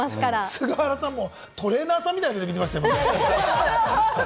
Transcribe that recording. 菅原さんもトレーナーみたいな目線で見ていましたもんね。